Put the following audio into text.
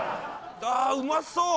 ああうまそう！